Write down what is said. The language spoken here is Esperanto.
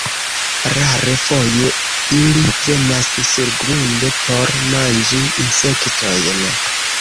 Rare, foje, ili venas surgrunde por manĝi insektojn.